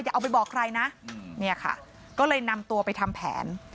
เอาไปบอกใครนะเนี่ยค่ะก็เลยนำตัวไปทำแผน